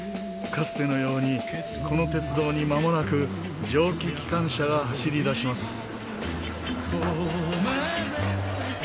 かつてのようにこの鉄道にまもなく蒸気機関車が走り出します。